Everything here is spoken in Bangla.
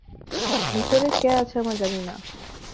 ভিতরে কে আছে আমরা জানি না।